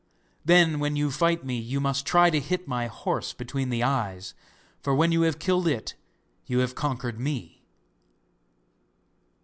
Then when you fight me you must try to hit my horse between the eyes, for when you have killed it you have conquered me.